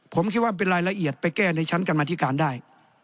ผมคิดว่าเป็นรายละเอียดไปแก้ในชั้นกรรมธิการได้